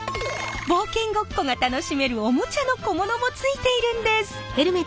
冒険ごっこが楽しめるおもちゃの小物もついているんです。